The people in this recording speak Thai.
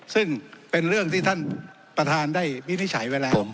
ซึ่งเป็นเรื่องที่ท่านประธานได้วินิจฉัยไว้แล้ว